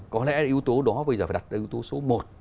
cái yếu tố đó bây giờ phải đặt yếu tố số một